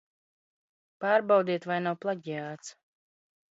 Pārbaudiet, vai nav plaģiāts.